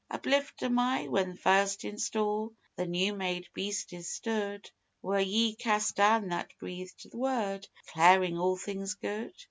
Uplift am I? When first in store the new made beasties stood, Were Ye cast down that breathed the Word declarin' all things good?